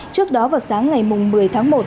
trước đó vào sáng ngày một mươi tháng một